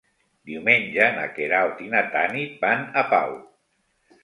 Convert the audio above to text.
Diumenge na Queralt i na Tanit van a Pau.